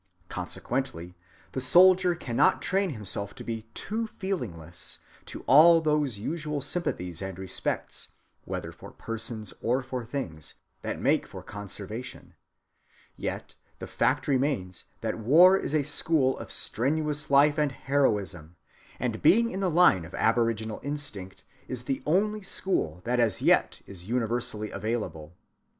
Consequently the soldier cannot train himself to be too feelingless to all those usual sympathies and respects, whether for persons or for things, that make for conservation. Yet the fact remains that war is a school of strenuous life and heroism; and, being in the line of aboriginal instinct, is the only school that as yet is universally available.